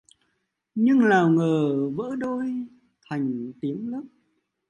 Nhưng nào ngờ... vỡ đôi... thành tiếng nấc